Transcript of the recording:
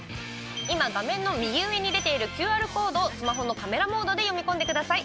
今、画面の右上に出ているＱＲコードをスマホのカメラモードで読み込んでください。